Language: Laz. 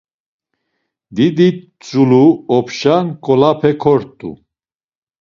Diditzulu opşa nǩolape kort̆u.